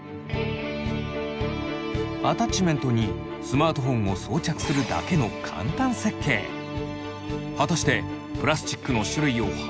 アタッチメントにスマートフォンを装着するだけの果たしてプラスチックの種類を判別できるのか？